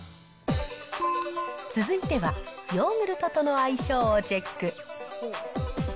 続いてはヨーグルトとの相性をチェック。